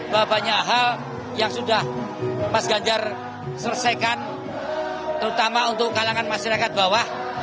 bahwa banyak hal yang sudah mas ganjar selesaikan terutama untuk kalangan masyarakat bawah